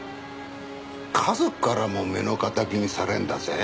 家族からも目の敵にされるんだぜ？